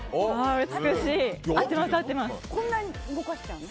こんなに動かしちゃう？